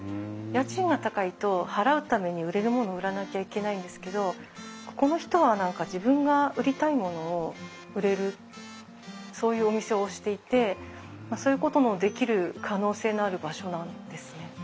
家賃が高いと払うために売れるものを売らなきゃいけないんですけどここの人は何か自分が売りたいものを売れるそういうお店をしていてそういうこともできる可能性のある場所なんですね。